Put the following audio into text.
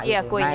ya kuenya sama